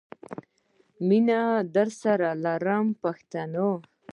مینه درسره لرم پښتنو.